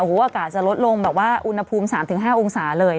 อากาศจะลดลงแบบว่าอุณหภูมิ๓๕องศาเลย